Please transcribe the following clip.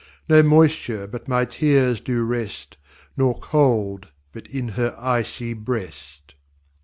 No moisture but my Tears do rest, Nor Cold but in her Icy Breast.